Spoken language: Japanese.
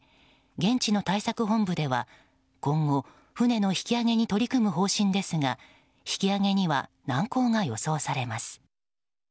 現地の対策本部では今後、船の引き上げに取り組む方針ですが引き上げには難航が予想されます。